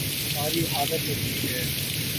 ہماری حالت عجیب ہے۔